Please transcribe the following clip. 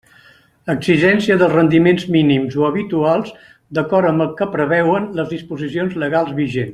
Exigència dels rendiments mínims o habituals d'acord amb el que preveuen les disposicions legals vigents.